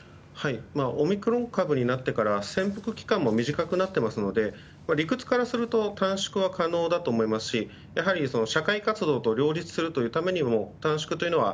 オミクロン株になってから潜伏期間も短くなっていますので理屈からすると短縮は可能だと思いますし社会活動と両立させるためにも短縮というのは